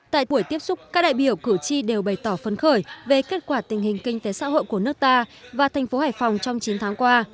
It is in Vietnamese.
tại buổi tiếp xúc các đại biểu cử tri đều bày tỏ phấn khởi về kết quả tình hình kinh tế xã hội của nước ta và thành phố hải phòng trong chín tháng qua